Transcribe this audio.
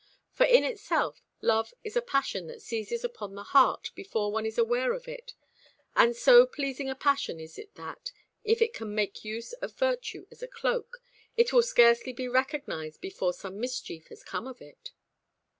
For in itself love is a passion that seizes upon the heart before one is aware of it, and so pleasing a passion is it that, if it can make use of virtue as a cloak, it will scarcely be recognised before some mischief has come of it."